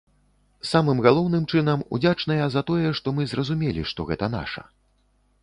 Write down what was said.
Самым галоўным чынам, удзячныя за тое, што мы зразумелі, што гэта наша.